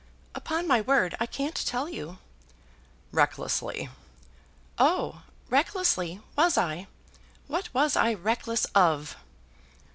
"Upon my word I can't tell you." "Recklessly." "Oh! recklessly, was I? What was I reckless of?"